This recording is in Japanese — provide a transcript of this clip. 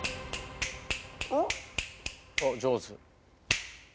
おっ上手。